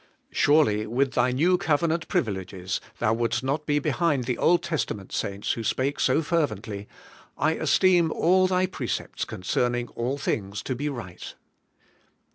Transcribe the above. Surely, with thy New Covenant privileges, thou wouldest not be behind the Old Testa ment saints who spake so fervently : 'I esteem all thy 182 ABIDE IN CHRIST: precepts concerning all things to be right.'